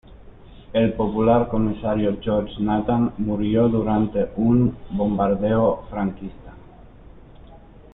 El popular comisario George Nathan murió durante un bombardeo franquista.